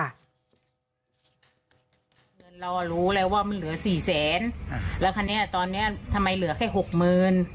เรารู้เลยว่ามันเหลือ๔๐๐๐๐๐แล้วคันนี้ตอนนี้ทำไมเหลือแค่๖๐๐๐๐